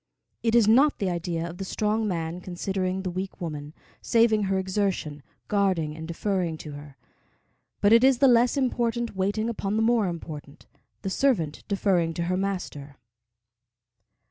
It is not the idea of the strong man considering the weak woman, saving her exertion, guarding and deferring to her; but it is the less important waiting upon the more important, the servant deferring to her master.